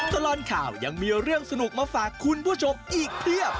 ตลอดข่าวยังมีเรื่องสนุกมาฝากคุณผู้ชมอีกเพียบ